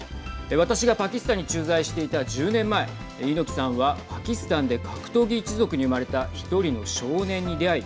私がパキスタンに駐在していた１０年前猪木さんは、パキスタンで格闘技一族に生まれた１人の少年に出会い